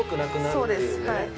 そうですはい